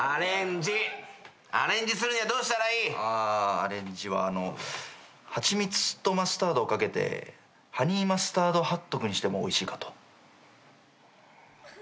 アレンジは蜂蜜とマスタードを掛けてハニーマスタードハットグにしてもおいしいかと。